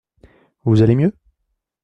Vous allez mieux ?